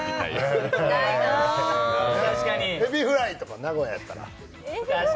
えびフライとか、名古屋やったら。